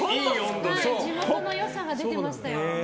地元の良さが出てましたよ。